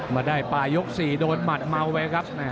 มาได้ปลายก๔โดนหมัดเมาไปครับ